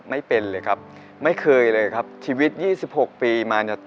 ไม่เป็นเลยครับไม่เคยเลยครับชีวิตยี่สิบหกปีมาเนี่ย